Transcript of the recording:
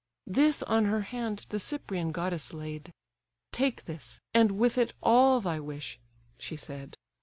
This on her hand the Cyprian Goddess laid: "Take this, and with it all thy wish;" she said.